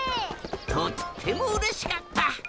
とってもうれしかった！